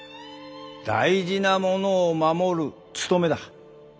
大事なものを守るつとめだ。